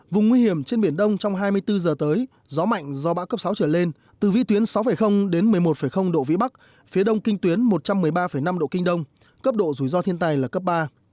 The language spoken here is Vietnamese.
vùng nguy hiểm trên biển đông trong hai mươi bốn giờ tới gió mạnh do bão cấp sáu trở lên từ vị tuyến sáu đến một mươi một độ vĩ bắc phía đông kinh tuyến một trăm một mươi ba năm độ kinh đông cấp độ rủi ro thiên tài là cấp ba